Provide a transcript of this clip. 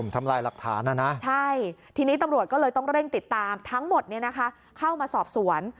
ทำลายหลักฐานนะนะใช่ทีนี้ตำรวจก็เลยต้องเร่งติดตามทั้งหมดเข้ามาสอบสวน